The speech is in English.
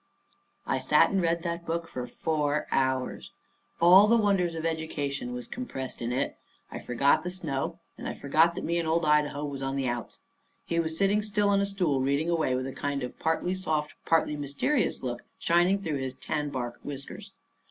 I sat and read that book for four hours. All the wonders of education was compressed in it. I forgot the snow, and I forgot that me and old Idaho was on the outs. He was sitting still on a stool reading away with a kind of partly soft and partly mysterious look shining through his tan bark whiskers.